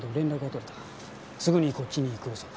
すぐにこっちに来るそうだ。